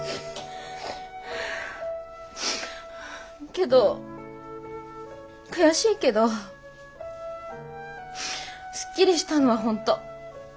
けど悔しいけどすっきりしたのは本当。